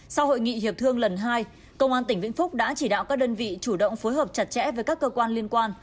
sau hội nghị hiệp thương lần hai công an tỉnh vĩnh phúc đã chỉ đạo các đơn vị chủ động phối hợp chặt chẽ với các cơ quan liên quan